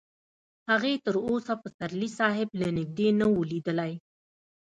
هغې تر اوسه پسرلي صاحب له نږدې نه و لیدلی